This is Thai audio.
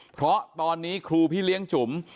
เพราะตอนนี้ครูพี่เลี้ยงจุ๋ม